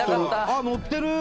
あっ乗ってる！